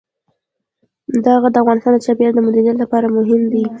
دا غر د افغانستان د چاپیریال د مدیریت لپاره مهم دی.